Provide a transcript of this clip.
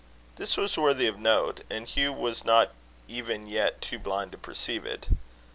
This was worthy of note, and Hugh was not even yet too blind to perceive it.